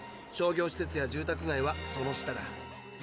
商業施設や住宅街はその下だ。